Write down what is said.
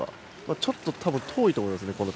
ちょっと遠いと思いますね。